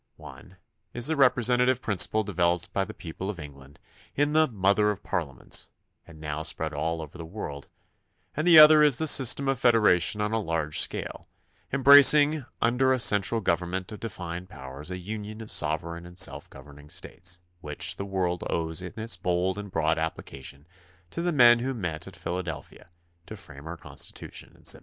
One is the representative principle developed by the people of England in the "Mother of Parliaments," and now spread all over the world, and the other is the system of federation on a large scale, embracing under a THE CONSTITUTION AND ITS MAKERS 49 central government of defined powers a union of sovereign and self governing States, which the world owes in its bold and broad application to the men who met at Philadelphia to frame our Constitution in 1787.